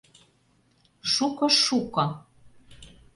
Шуко, шуко...